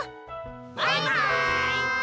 バイバーイ！